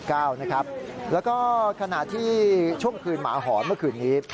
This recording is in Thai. แล้วก็ขณะที่ช่วงคืนหมาหอนเมื่อคืนนี้